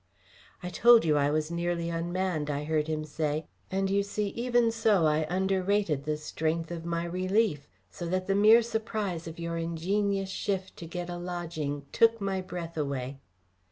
"I told you I was nearly unmanned," I heard him say; "and you see even so I underrated the strength of my relief, so that the mere surprise of your ingenious shift to get a lodging took my breath away."